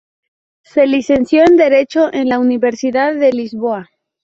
Se licenció en Derecho en la Universidad de Lisboa.